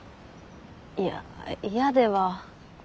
いや嫌では。